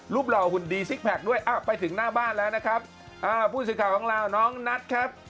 หล่อหุ่นดีซิกแพคด้วยอ่ะไปถึงหน้าบ้านแล้วนะครับอ่าผู้สื่อข่าวของเราน้องนัทครับ